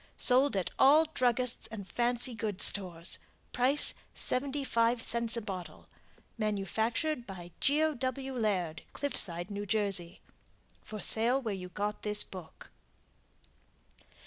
Sold at all druggists and fancy goods stores. Price 75c a bottle. Manufactured by GEO. W. LAIRD, CLIFFSIDE. N. J. For sale where you got this book.